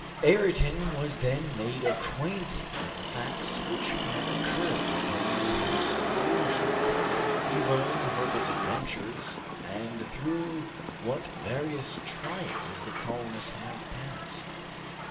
Ayrton was then made acquainted with the facts which had occurred during his seclusion. He learned Herbert's adventures, and through what various trials the colonists had passed.